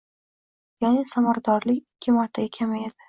Yaʼni samaradorlik ikki martaga kamayadi